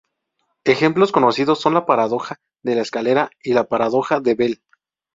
Ejemplos conocidos son la paradoja de la escalera y la paradoja de Bell.